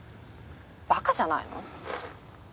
馬鹿じゃないの？